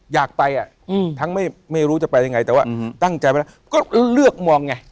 อยากไปอ่ะทั้งไม่รู้จะไปยังไงแต่ว่าตั้งใจไปแล้วก็เลือกมองไง